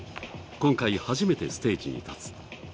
今回、初めてステージに立つ。